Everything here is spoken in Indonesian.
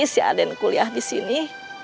si aden kuliah disini